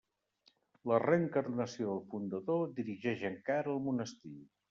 La reencarnació del fundador dirigeix encara el monestir.